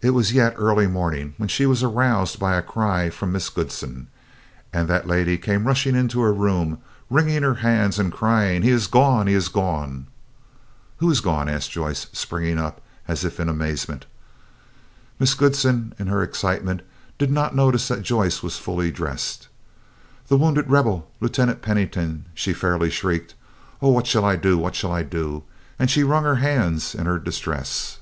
It was yet early morning when she was aroused by a cry from Miss Goodsen, and that lady came rushing into her room, wringing her hands and crying, "He is gone! He is gone!" "Who is gone?" asked Joyce, springing up as if in amazement. Miss Goodsen, in her excitement did not notice that Joyce was fully dressed. "The wounded Rebel, Lieutenant Pennington," she fairly shrieked. "Oh! what shall I do? What shall I do?" and she wrung her hands in her distress.